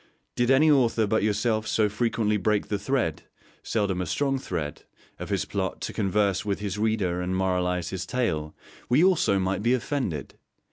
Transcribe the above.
Did any author but yourself so frequently break the thread (seldom a strong thread) of his plot to converse with his reader and moralise his tale, we also might be offended.